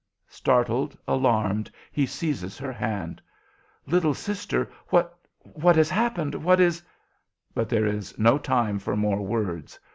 Startled, alarmed, he seizes her hand. "Little sister! What what has happened what is " But there is no time for more words.